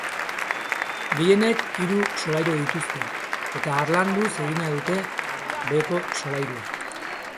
Gehienek hiru solairu dituzte, eta harlanduz egina dute beheko solairua.